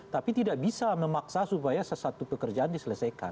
tapi tidak bisa memaksa supaya sesuatu pekerjaan diselesaikan